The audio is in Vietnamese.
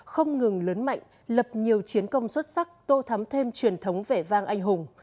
không ngừng lớn mạnh lập nhiều chiến công xuất sắc tô thắm thêm truyền thống vẻ vang anh hùng